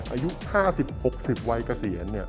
อายุ๕๐๖๐วัยเกษียณ